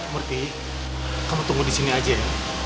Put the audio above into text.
murti kamu tunggu disini aja ya